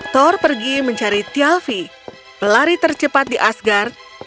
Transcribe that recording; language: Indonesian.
thor pergi mencari tyafi pelari tercepat di asgard